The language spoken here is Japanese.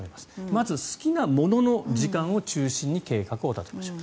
まず好きなものの時間を中心に計画を立てましょう。